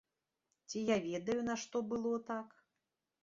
Ці я ведаю, нашто было так?